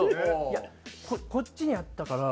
いやこっちにあったから。